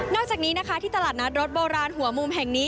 จากนี้นะคะที่ตลาดนัดรถโบราณหัวมุมแห่งนี้